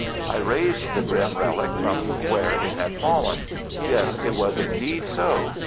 I raised the grim relic from where it had fallen. Yes, it was indeed so.